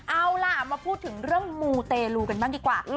เอาล่ะมาพูดถึงเรื่องมูเตลูกันบ้างดีกว่า